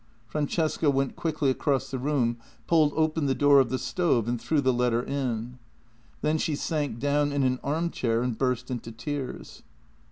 Francesca went quickly across the room, pulled open the door of the stove, and threw the letter in. Then she sank down in an arm chair and burst into tears.